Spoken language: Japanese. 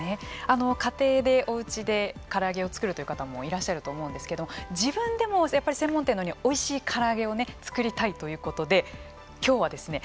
あの家庭でおうちでから揚げを作るという方もいらっしゃると思うんですけど自分でもやっぱり専門店のようにおいしいから揚げをね作りたいということで今日はですね